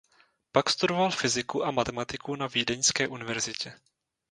Pak studoval fyziku a matematiku na Vídeňské univerzitě.